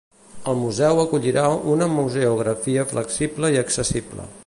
El museu acollirà una museografia flexible i accessible.